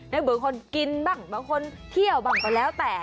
เหมือนคนกินบ้างบางคนเที่ยวบ้างก็แล้วแต่